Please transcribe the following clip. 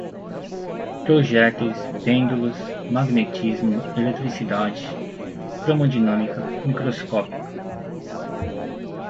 projéteis, pêndulos, magnetismo, eletricidade, cromodinâmica, microscópica